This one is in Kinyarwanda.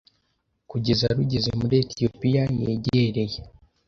kugeza rugeze muri Etiyopiya yegereye.